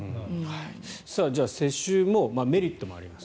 じゃあ、世襲はメリットもあります。